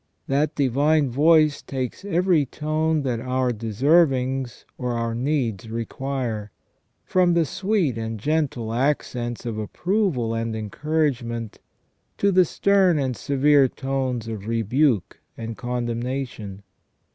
That divine voice takes every tone that our deservings or our needs require, from the sweet and gentle accents of approval and encouragement to the stern and severe tones of rebuke and condemnation.